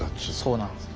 そうなんです。